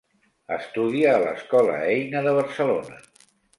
Estudia a l'Escola Eina de Barcelona.